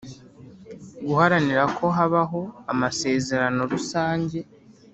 Guharanira ko habaho amasezerano rusange